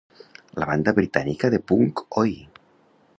La banda britànica de punk oi!